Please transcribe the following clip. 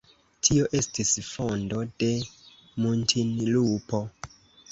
Tio estis fondo de Muntinlupo.